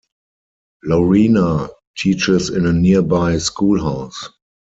Lorena teaches in a nearby schoolhouse.